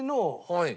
はい。